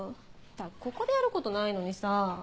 ここでやることないのにさ。